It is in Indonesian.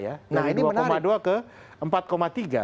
orang yang harusnya katanya ada di luar kampanye